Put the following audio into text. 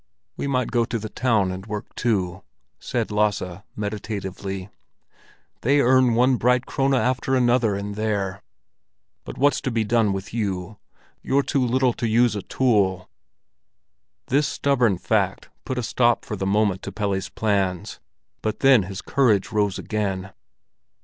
"We might go to the town and work too," said Lasse meditatively. "They earn one bright krone after another in there. But what's to be done with you? You're too little to use a tool." This stubborn fact put a stop for the moment to Pelle's plans; but then his courage rose again.